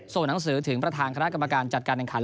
หนังสือถึงประธานคณะกรรมการจัดการแข่งขัน